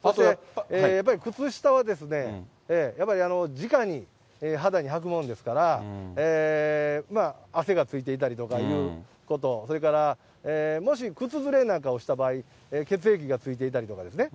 やっぱり靴下は、やっぱりじかに肌にはくものですから、汗がついていたりということとか、それからもし靴ずれなんかをした場合、血液がついていたりとかですね、